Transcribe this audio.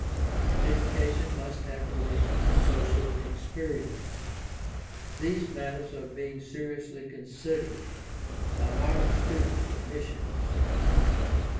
Edu cation must have relation to social experience. These matters are being seriously considered by modern students of missions.